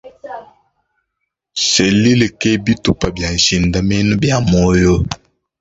Selile ke bitupa bia nshindamenu bia muoyo.